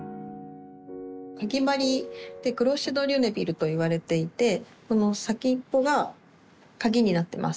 「クロシェ・ド・リュネビル」といわれていてこの先っぽがかぎになってます。